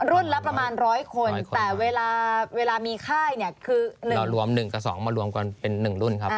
รุ่นละประมาณร้อยคนแต่เวลาเวลามีค่ายเนี่ยคือเรารวมหนึ่งกับสองมารวมกันเป็นหนึ่งรุ่นครับผม